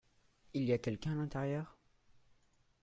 Il y a quelqu'un à l'intérieur ?